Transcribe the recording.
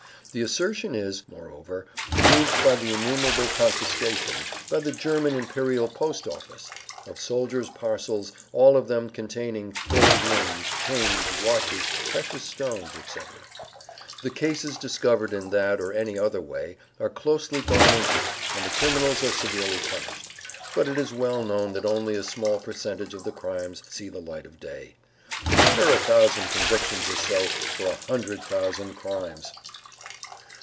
The assertion is, moreover, proved by the innumerable confiscations, by the German Imperial Post Office, of soldiers' parcels, all of them containing gold rings, chains, watches, precious stones, etc. The cases discovered in that or any other way are closely gone into and the criminals are severely punished, but it is well known that only a small percentage of the crimes see the light of day. What are a thousand convictions or so for a hundred thousand crimes!